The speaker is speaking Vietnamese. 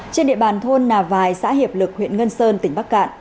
trên địa bàn thôn nà vài xã hiệp lực huyện ngân sơn tỉnh bắc cạn